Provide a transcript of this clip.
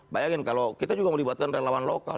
bayangin kalau kita juga mau dibatalkan relawan lokal